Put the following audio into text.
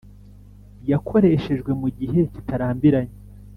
yakoreshejwe mu gihe kitarambiranye